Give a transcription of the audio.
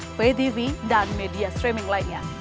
melalui siaran digital vtv dan media streaming lainnya